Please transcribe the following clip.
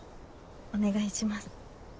お願いします。